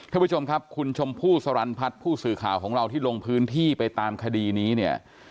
ท่านผู้ชมครับคุณชมพู่สรรพัฒน์ผู้สื่อข่าวของเราที่ลงพื้นที่ไปตามคดีนี้เนี่ย